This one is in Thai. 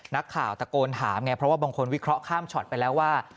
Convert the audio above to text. นักข่าวตะโกนถามไงเพราะว่าบางคนวิเคราะห์ข้ามช็อตไปแล้วว่า